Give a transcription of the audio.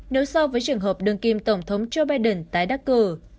nếu so với trường hợp đương kim tổng thống joe biden tái đắc cử